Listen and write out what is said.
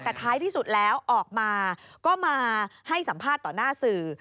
แต่ท้ายที่สุดแล้วออกมาก็มาให้สัมภาษณ์ต่อหน้าสื่อ